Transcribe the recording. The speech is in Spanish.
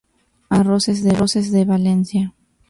Arroces de Valencia.